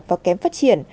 và kém phát triển